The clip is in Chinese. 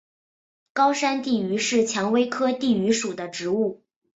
高山地榆是蔷薇科地榆属的植物。